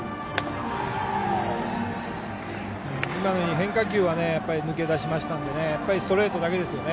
変化球は抜け出しましたのでストレートだけですよね。